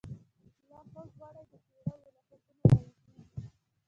لا خوب وړی دپیړیو، له خوبونو را وښیږیږی